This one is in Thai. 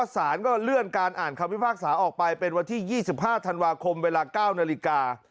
สารก็เลื่อนการอ่านคำพิพากษาออกไปเป็นวันที่๒๕ธันวาคมเวลา๙นาฬิกา